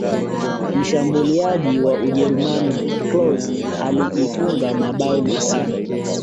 mshambuliaji wa ujerumani klose aliifunga mabao matano